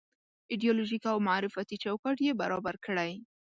ایدیالوژيک او معرفتي چوکاټ یې برابر کړی.